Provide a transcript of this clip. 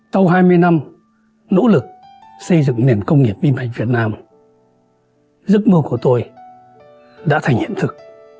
sau hai mươi năm nỗ lực xây dựng nền công nghiệp vi mạch việt nam giấc mơ của tôi đã thành hiện thực